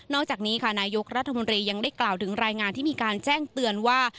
อกจากนี้ค่ะนายกรัฐมนตรียังได้กล่าวถึงรายงานที่มีการแจ้งเตือนว่า